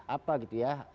apa gitu ya